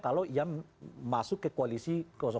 kalau ia masuk ke koalisi